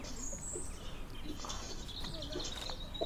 西康省藏族自治区人民政府在康定为其召开了追悼会。